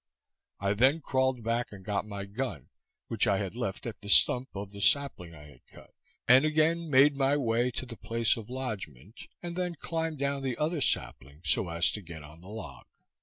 I then crawled back and got my gun, which I had left at the stump of the sapling I had cut, and again made my way to the place of lodgement, and then climb'd down the other sapling so as to get on the log.